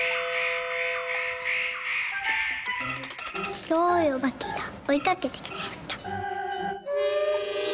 「しろいおばけがおいかけてきました」。